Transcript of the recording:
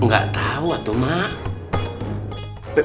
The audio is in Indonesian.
gak tau tuh maa